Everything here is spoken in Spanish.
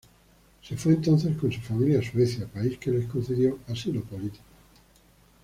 Se fue entonces con su familia a Suecia, país que les concedió asilo político.